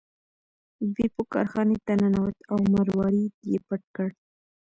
بیپو کارخانې ته ننوت او مروارید یې پټ کړ.